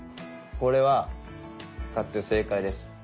これは買って正解です。